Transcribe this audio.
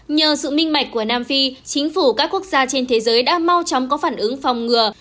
nhờ sự minh mạch của nam phi chính phủ các quốc gia trên thế giới đã mau chóng có phản ứng phòng ngừa